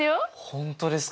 本当ですか！